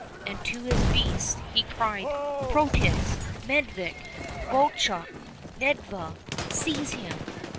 " and to his beasts he cried, " Protius ! Medvedik ! Vovchok ! Nedviga ! Seize him